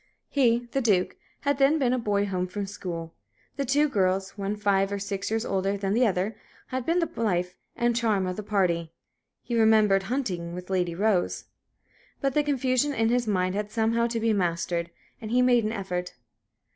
He, the Duke, had then been a boy home from school. The two girls, one five or six years older than the other, had been the life and charm of the party. He remembered hunting with Lady Rose. But the confusion in his mind had somehow to be mastered, and he made an effort.